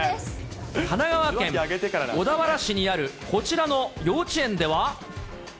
神奈川県小田原市にあるこちらの幼稚園では。